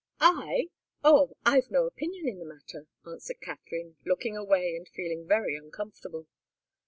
"I? Oh I've no opinion in the matter," answered Katharine, looking away, and feeling very uncomfortable.